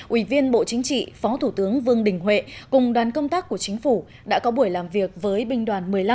ủy viên bộ chính trị phó thủ tướng vương đình huệ cùng đoàn công tác của chính phủ đã có buổi làm việc với binh đoàn một mươi năm